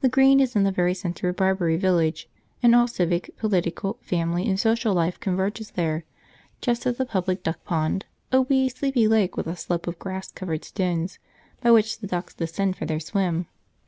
The Green is in the very centre of Barbury village, and all civic, political, family, and social life converges there, just at the public duck pond a wee, sleepy lake with a slope of grass covered stones by which the ducks descend for their swim.